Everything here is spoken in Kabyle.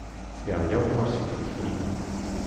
Yeɛya uḍar seg tikli.